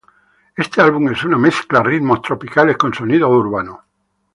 Este álbum es una mezcla ritmos tropicales con sonidos urbanos.